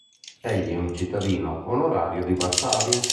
Egli è un cittadino onorario di Varsavia.